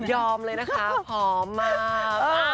ยอมเลยนะคะพร้อมมาก